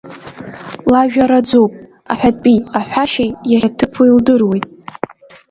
Лажәа раӡоуп, аҳәатәи, аҳәашьеи, иахьаҭыԥуи лдыруеит.